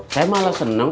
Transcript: saya malah seneng